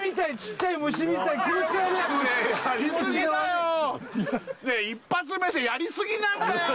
１発目でやりすぎなんだよ